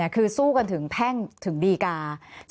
คือสู้กันถึงแพ่งถึงดีกา